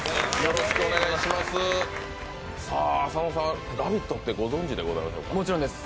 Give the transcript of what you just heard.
佐野さん、「ラヴィット！」ってご存じでございましょうか。